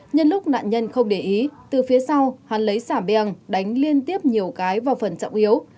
nhân lúc nạn nhân không để ý từ phía sau hắn lấy xả beng đánh liên tiếp nhiều cái vào phần trọng yếu